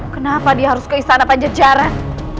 kenapa dia harus ke istana panjejaran